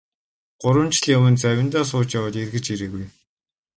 Гурван жилийн өмнө завиндаа сууж яваад эргэж ирээгүй.